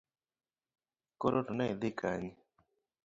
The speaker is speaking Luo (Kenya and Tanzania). Koro to neidhi Kanye?